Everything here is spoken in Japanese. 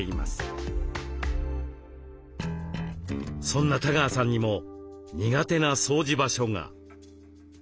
そんな多川さんにも苦手な掃除場所が。